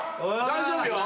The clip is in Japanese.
大丈夫よ。